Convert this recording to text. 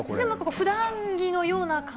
ふだん着のような。